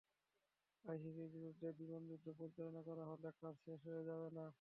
আইএসের বিরুদ্ধে বিমান যুদ্ধ পরিচালনা করা হলে কাজ শেষ হয়ে যাবে না।